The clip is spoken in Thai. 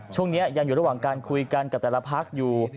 ช่วงนี้ยังอยู่ระหว่างการคุยกันกับแต่ละพักอยู่